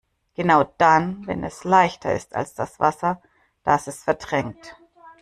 Genau dann, wenn es leichter ist als das Wasser, das es verdrängt.